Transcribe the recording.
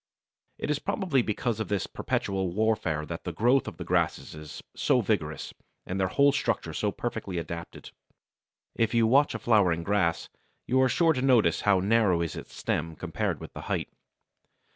It is probably because of this perpetual warfare that the growth of the grasses is so vigorous, and their whole structure so perfectly adapted. If you watch a flowering grass, you are sure to notice how narrow is its stem compared with the height.